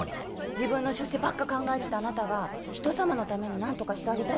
自分の出世ばっか考えてたあなたが人様のために何とかしてあげたいって。